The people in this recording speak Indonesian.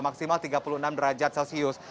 maksimal tiga puluh enam derajat celcius